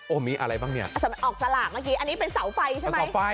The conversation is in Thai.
โอ้มีอะไรบ้างเนี้ยสำหรับออกสลากเมื่อกี้อันนี้เป็นเสาไฟใช่ไหมเสาไฟ